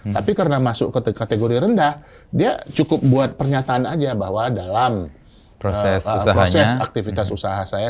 tapi karena masuk kategori rendah dia cukup buat pernyataan aja bahwa dalam proses aktivitas usaha saya